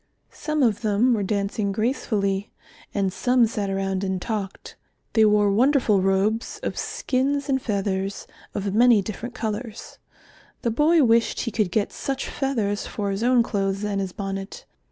Some of them were dancing gracefully, and some sat around and talked. They wore wonderful robes of skins and feathers, of many different colours. The boy wished he could get such feathers for his own clothes and his bonnet.